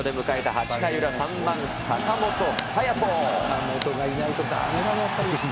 ８回裏、坂本がいないとだめだね、やっぱり。